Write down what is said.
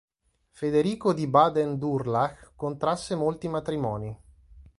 Federico di Baden-Durlach contrasse molti matrimoni.